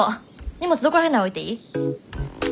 荷物どこら辺なら置いていい？